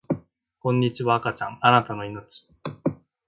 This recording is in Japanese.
こんにちは赤ちゃんあなたの生命